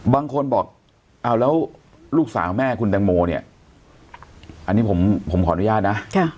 บางคนบอกเอาแล้วลูกสาวแม่คุณแตงโมเนี่ยอันนี้ผมขออนุญาตนะ